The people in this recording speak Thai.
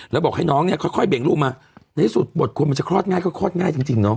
แล้วบอกให้น้องเนี่ยค่อยเบี่ยงลูกมาในที่สุดบทคนมันจะคลอดง่ายก็คลอดง่ายจริงเนาะ